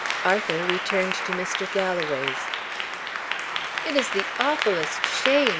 Arthur returned to Mr. Galloway's. "It's the awfullest shame!"